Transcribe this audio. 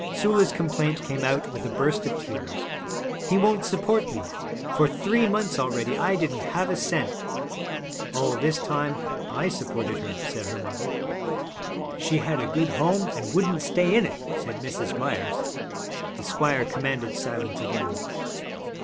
Sula's complaint came out with a burst of tears. 'He won't support me. For three months already I didn't have a cent.' 'All this time I supported her,' said her mother. 'She had a good home and wouldn't stay in it,' said Mrs. Myers. The squire commanded silence again.